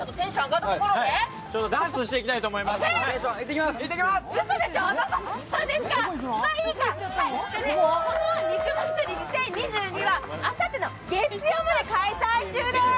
ここ肉祭２０２２は、あさっての月曜日まで開催中です。